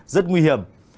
rất nguy hiểm